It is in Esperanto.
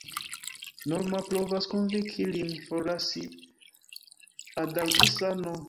Norma provas konvinki lin forlasi Adalgisa-n.